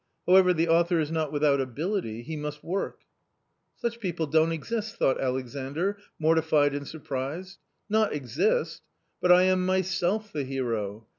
However, the author is not without ability ; he must work !" "Such people don't exist! " thought Alexandr, mortified and surprised —" not exist ? but I am myself the hero.